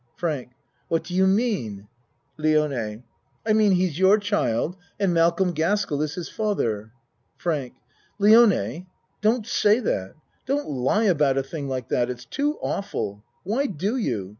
FRANK What do you mean ? LIONE I mean he's your child and Malcolm Gaskell is his father. FRANK Lione, don't say that. Don't lie about a thing like that it's too awful. Why do you?